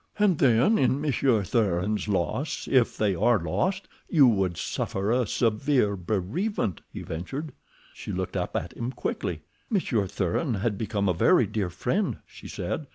"And then in Monsieur Thuran's loss, if they are lost, you would suffer a severe bereavement," he ventured. She looked up at him quickly. "Monsieur Thuran had become a very dear friend," she said.